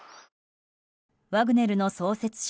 ワグネルの創設者